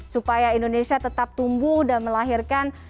supaya indonesia tetap tumbuh dan melahirkan